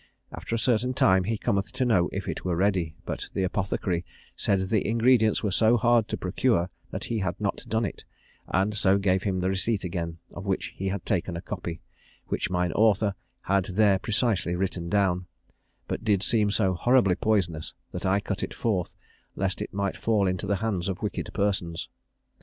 After a certain time he cometh to know if it were ready, but the apothecary said the ingredients were so hard to procure that he had not done it, and so gave him the receipt again, of which he had taken a copy, which mine author had there precisely written down, but did seem so horribly poisonous, that I cut it forth, lest it might fall into the hands of wicked persons.